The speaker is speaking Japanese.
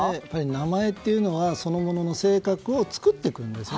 名前っていうのはそのものの性格を作っていくんです。